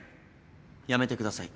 やめてください